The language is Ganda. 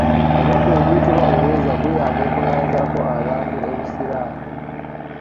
Omuddo oguyitibwa olweza guyamba okunaazaako abantu ebisiraani.